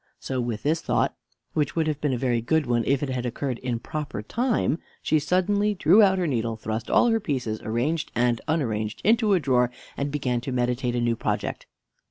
So, with this thought (which would have been a very good one if it had occurred in proper time), she suddenly drew out her needle, thrust all her pieces, arranged and unarranged, into a drawer, and began to meditate a new project.